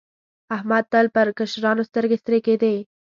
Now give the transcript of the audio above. احمد تل پر کشرانو سترګې سرې کېدې.